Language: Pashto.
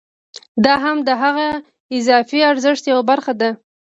دا هم د هغه اضافي ارزښت یوه برخه ده